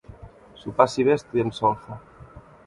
S'ho passi bé estudiant solfa.